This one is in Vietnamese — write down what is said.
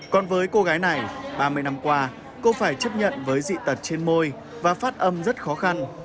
còn với cô gái này ba mươi năm qua cô phải chấp nhận với dị tật trên môi và phát âm rất khó khăn